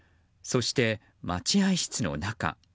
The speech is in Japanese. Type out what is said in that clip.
そして待合室の中。